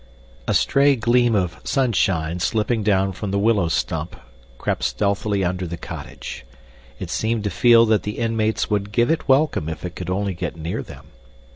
A stray gleam of sunshine slipping down from the willow stump crept stealthily under the cottage. It seemed to feel that the inmates would give it welcome if it could only get near them.